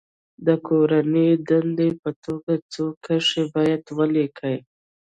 د کورنۍ دندې په توګه څو کرښې باید ولیکي.